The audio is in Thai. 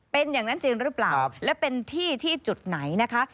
เป็นอย่างนั้นจริงหรือเปล่าและเป็นที่ที่จุดไหนนะคะ